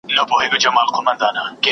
د حج په مابينځ کي مي خپلي خوني وکتلې.